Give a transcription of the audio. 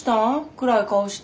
暗い顔して。